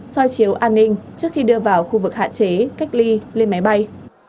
soi chiếu an ninh trước khi đưa vào khu vực hạn chế cách ly lên máy bay